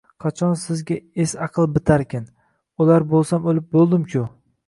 -Qachon sizga es-aql bitarkin? O’lar bo’lsam, o’lib bo’ldim-ku.